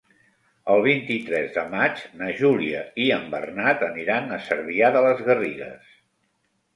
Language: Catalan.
El vint-i-tres de maig na Júlia i en Bernat aniran a Cervià de les Garrigues.